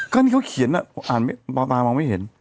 ก็อันนี้เขาเขียนอ่ะตอนตามองไม่เห็น